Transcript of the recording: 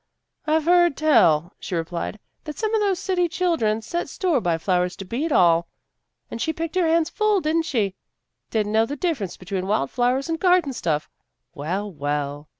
" I've heard tell," she replied, " that some of those city children set store by flowers to beat all. And she picked her hands full, did she? Didn't know the difference between wild flowers and garden stuff? Well, well!